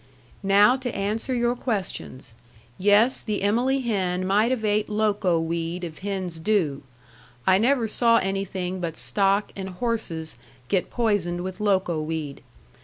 "Now to answer your questions. Yes the Emmily hen might have ate loco weed if hens do. I never saw anything but stock and horses get poisoned with loco weed.